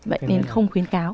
vậy nên không khuyến cáo